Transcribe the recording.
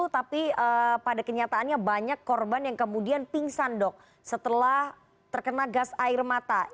tapi pada kenyataannya banyak korban yang kemudian pingsan dok setelah terkena gas air mata